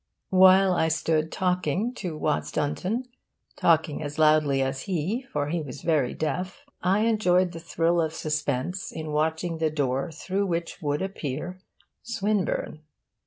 While I stood talking to Watts Dunton talking as loudly as he, for he was very deaf I enjoyed the thrill of suspense in watching the door through which would appear Swinburne.